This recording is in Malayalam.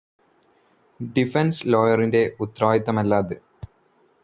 ഡിഫെൻസ് ലോയറിന്റെ ഉത്തരവാദിത്തമല്ല അത്.